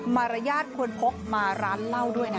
มารยาทควรพกมาร้านเหล้าด้วยนะ